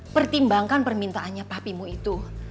pertimbangkan permintaannya papimu itu